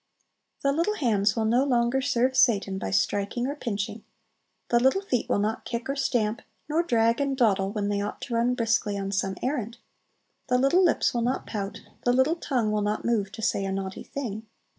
The little hands will no longer serve Satan by striking or pinching; the little feet will not kick or stamp, nor drag and dawdle, when they ought to run briskly on some errand; the little lips will not pout; the little tongue will not move to say a naughty thing.